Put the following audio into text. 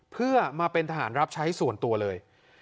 เพื่อมาเป็นทหารรับใช้ส่วนตัวเลย